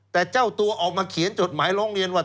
แต่เจ้าตัวออกมาเขียนจดหมายร้องเรียนว่า